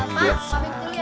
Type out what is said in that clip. pak pamit dulu ya